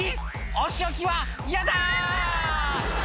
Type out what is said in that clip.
お仕置きは嫌だ！」